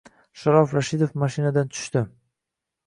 Sharof Rashidov mashinadan tushdi.